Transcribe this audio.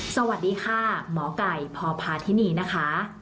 สวัสดีค่ะหมอไก่พพาธินีนะคะ